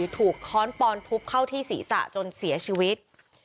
ค้อนปอนทุบเข้าที่ศีรษะจนเสียชีวิต